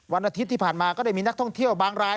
วันอาทิตย์ที่ผ่านมาก็ได้มีนักท่องเที่ยวบางราย